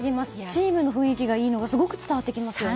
チームの雰囲気がいいのがすごく伝わりますよね。